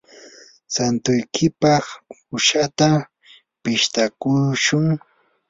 santuykipaq uushata pishtakushun.